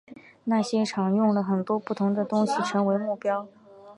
那些场用了很多不同的东西成为目标。